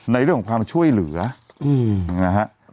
ในเรื่องของความช่วยเหลือนะครับ